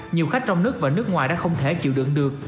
nhiều khách trong nước và nước ngoài đã không thể chịu đựng được